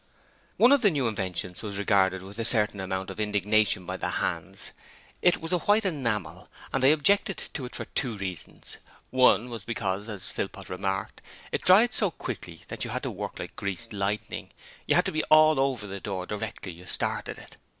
One of the new inventions was regarded with a certain amount of indignation by the hands: it was a white enamel, and they objected to it for two reasons one was because, as Philpot remarked, it dried so quickly that you had to work like greased lightning; you had to be all over the door directly you started it.